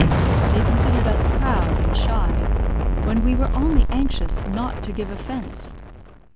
They considered us proud and shy, when we were only anxious not to give offense.